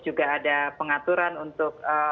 juga ada pengaturan untuk